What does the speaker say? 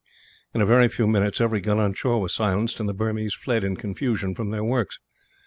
In a very few minutes, every gun on shore was silenced, and the Burmese fled in confusion from their works.